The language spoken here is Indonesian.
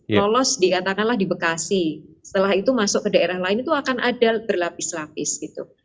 lolos dikatakanlah di bekasi setelah itu masuk ke daerah lain itu akan ada berlapis lapis gitu